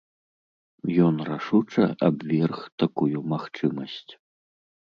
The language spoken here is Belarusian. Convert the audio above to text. Ён рашуча абверг такую магчымасць.